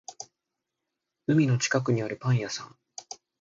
海の近くにあるパン屋さん